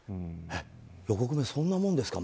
横粂、そんなもんですか。